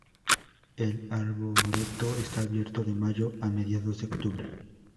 El arboreto está abierto de mayo a mediados de octubre.